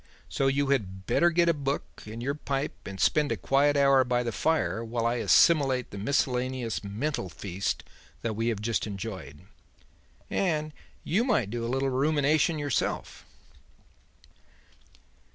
So you had better get a book and your pipe and spend a quiet hour by the fire while I assimilate the miscellaneous mental feast that we have just enjoyed. And you might do a little rumination yourself."